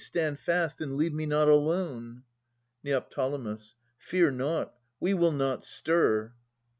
Stand fast and leave me not alone ! Neo. Fear nought. We will not stir.